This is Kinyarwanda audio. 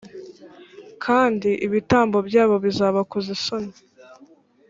kandi ibitambo byabo bizabakoza isoni